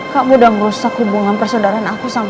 kamu udah merusak hubungan persaudaran aku sama elsa